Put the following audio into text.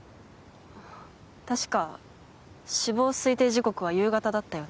確か死亡推定時刻は夕方だったよね？